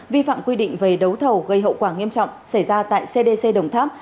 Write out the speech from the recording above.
vi phạm quy định về đấu thầu gây hậu quả nghiêm trọng xảy ra tại cdc đồng tháp